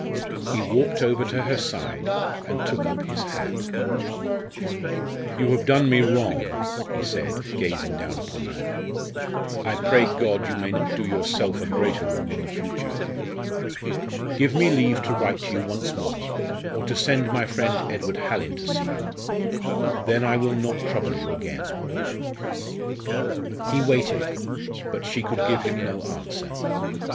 He walked over to her side and took up his hat. "You have done me wrong," he said, gazing down upon her. "I pray God you may not do yourself a greater wrong in the future! Give me leave to write to you once more, or to send my friend Edward Hallin to see you. Then I will not trouble you again." He waited, but she could give him no answer.